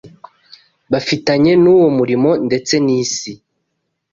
bafitanye n’uwo murimo ndetse n’isi